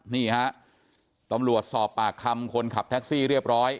นี่ฮะตำรวจสอบปากคำคนขับแท็กซี่เรียบร้อย